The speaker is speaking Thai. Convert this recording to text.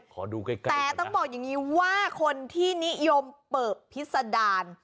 แต่ต้องบอกอย่างนี้ว่าคนที่นิยมเปิบพิษดาล